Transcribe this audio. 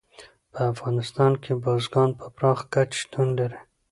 په افغانستان کې بزګان په پراخه کچه شتون لري.